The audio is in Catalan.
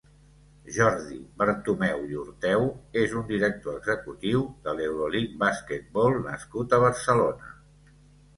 Jordi Bertomeu i Orteu és un director executiu de l'Euroleague Basketball nascut a Barcelona.